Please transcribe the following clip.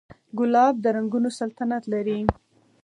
ګلاب د رنګونو سلطنت لري.